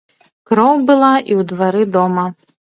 Кроў была і ў двары дома.